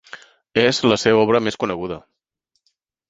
És la seva obra més coneguda.